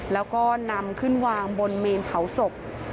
แล้วก็นำขึ้นวางบนเมนเผาศพ